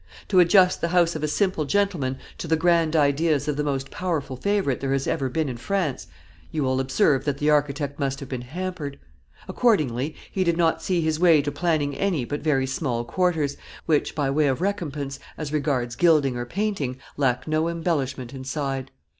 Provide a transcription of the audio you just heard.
To adjust the house of a simple gentleman to the grand ideas of the most powerful favorite there has ever been in France, you will observe that the architect must have been hampered; accordingly he did not see his way to planning any but very small quarters, which, by way of recompense, as regards gilding or painting, lack no embellishment inside.